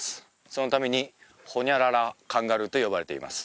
そのためにホニャララカンガルーと呼ばれています